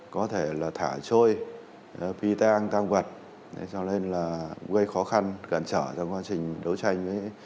có thể là thả trôi phi tang tang vật cho nên là gây khó khăn gần trở trong quá trình đấu tranh